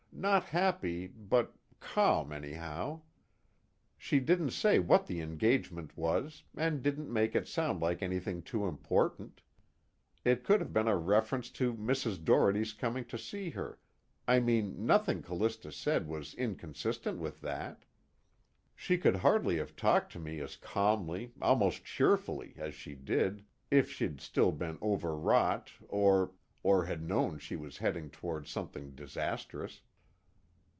Not happy, but calm anyhow. She didn't say what the engagement was, and didn't make it sound like anything too important. It could have been a reference to Mrs. Doherty's coming to see her I mean, nothing Callista said was inconsistent with that. She could hardly have talked to me as calmly, almost cheerfully, as she did, if she'd still been overwrought or or had known she was heading toward something disastrous."